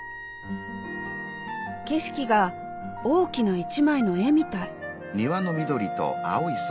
景色が大きな１枚の絵みたい。